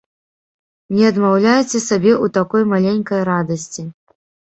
Не адмаўляйце сабе ў такой маленькай радасці.